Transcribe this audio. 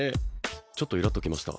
ちょっとイラッときました